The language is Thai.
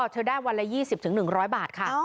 เธอได้วันละ๒๐๑๐๐บาทค่ะ